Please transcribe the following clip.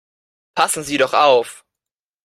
Passen Sie doch auf!